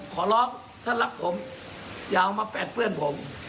ขอร้องถ้ารักผมอย่าเอามาแปดเพื่อนผม